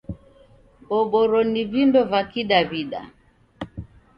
Boboro ni vindo va w'adaw'ida.